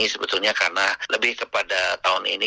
sebetulnya karena lebih kepada tahun ini